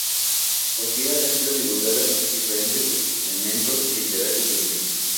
Su poesía ha sido divulgada en diferentes suplementos literarios del país.